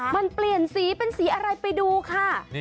มันเปลี่ยนสีเป็นสีอะไรไปดูค่ะ